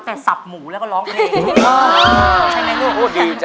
แต่สับหมูแล้วก็ร้องเพลง